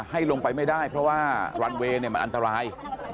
ให้ลงไปไม่ได้เพราะว่ารันเวย์มันอันตราย